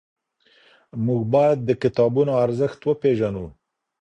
موږ باید د کتابونو ارزښت وپېژنو.